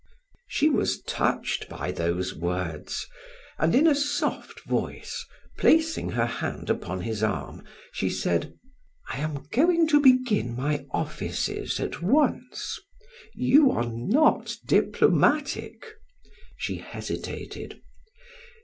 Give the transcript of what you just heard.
She was touched by those words, and in a soft voice, placing her hand upon his arm, she said: "I am going to begin my offices at once. You are not diplomatic " she hesitated.